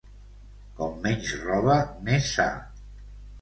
Com menys roba, més sa.